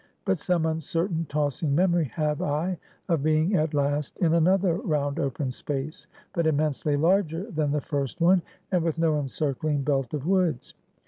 But some uncertain, tossing memory have I of being at last in another round, open space, but immensely larger than the first one, and with no encircling belt of woods.